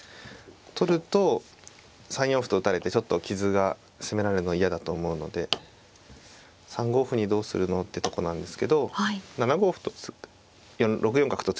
取ると３四歩と打たれてちょっと傷が攻められるのは嫌だと思うので３五歩にどうするのってとこなんですけど７五歩と６四角と突いた効果で突けますね。